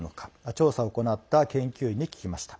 調査を行った研究員に聞きました。